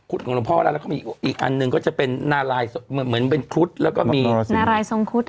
อู้หูยยย